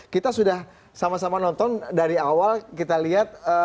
kita sudah sama sama nonton dari awal kita lihat